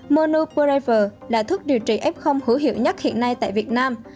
monoprever là thuốc điều trị f hữu hiệu nhất hiện nay tại việt nam